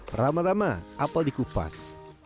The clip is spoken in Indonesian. pertama tama apel dikupas